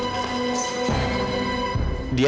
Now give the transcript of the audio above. sorry gue gak suka dia